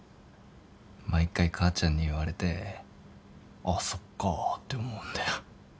毎回母ちゃんに言われてあっそっかぁって思うんだよ。